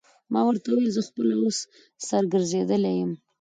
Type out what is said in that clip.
ما ورته وویل: زه خپله اوس سر ګرځېدلی یم.